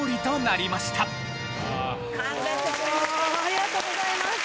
ありがとうございます。